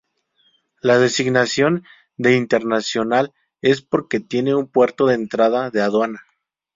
La designación de internacional es porque tiene un puerto de entrada de aduana.